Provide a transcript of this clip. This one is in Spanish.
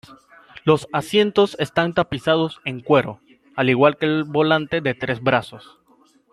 Los asientos están tapizados en cuero, al igual que el volante de tres brazos.